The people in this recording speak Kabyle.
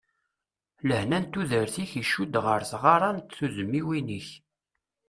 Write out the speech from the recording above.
Lehna n tudert-ik icudd ɣer tɣara n tedmiwin-ik.